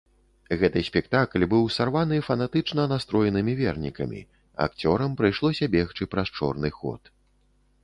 Гэты спектакль быў сарваны фанатычна настроенымі вернікамі, акцёрам прыйшлося бегчы праз чорны ход.